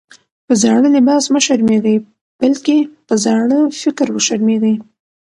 په زاړه لباس مه شرمېږئ! بلکي په زاړه فکر وشرمېږئ.